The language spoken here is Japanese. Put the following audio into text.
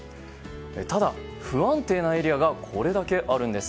ただ、不安定なエリアがこれだけあるんです。